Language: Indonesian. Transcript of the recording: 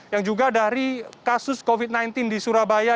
yang juga dari kasus covid sembilan belas di surabaya